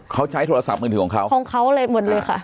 เขาใช้โทรศัพท์มือถือของเขาของเขาเลยหมดเลยค่ะ